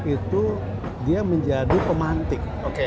itu dia menjadi pemantik